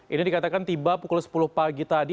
ini dikatakan tiba pukul sepuluh pagi tadi